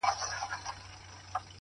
چا زر رنگونه پر جهان وپاشل چيري ولاړئ ـ